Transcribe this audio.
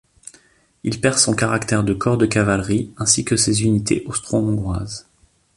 Il perd son caractère de corps de cavalerie ainsi que ses unités austro-hongroises.